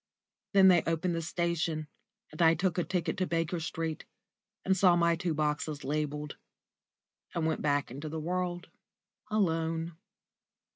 Then they opened the station, and I took a ticket to Baker Street, and saw my two boxes labelled, and went back into the world alone.